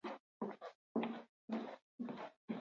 Tenperaturak, bestealde, bere horretan mantenduko dira.